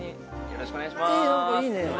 よろしくお願いします